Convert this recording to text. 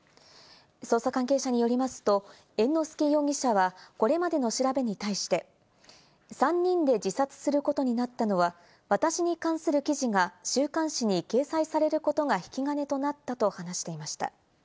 捜査関係者によりますと、猿之助容疑者はこれまでの調べに対して、３人で自殺することになったのは私に関する記事が週刊誌に掲載されることが引き金となったと話していました。